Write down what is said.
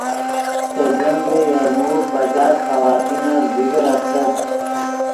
دے جنگ یرموک پچاس خواتینف ذکر استت